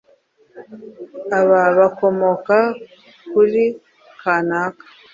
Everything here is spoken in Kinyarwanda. aba bakomoka kuri kanaka,